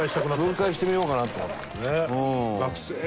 分解してみようかなと思って。